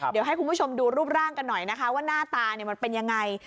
เดี๋ยวให้คุณผู้ชมดูรูปร่างกันหน่อยนะคะว่าหน้าตามันเป็นยังไง